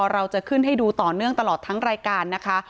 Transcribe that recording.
เราจะขึ้นให้ดูต่อเนื่องตลอดทั้งรายการนะคะ